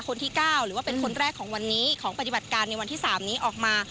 คนที่๙หรือว่าเป็นคนแรกของวันนี้ของปฏิบัติการในวันที่๓นี้ออกมา